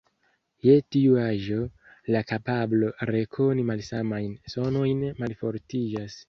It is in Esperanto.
Je tiu aĝo, la kapablo rekoni malsamajn sonojn malfortiĝas.